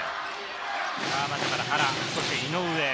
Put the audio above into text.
川真田から原、そして井上。